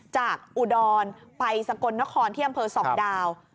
อุดรไปสกลนครที่อำเภอส่องดาว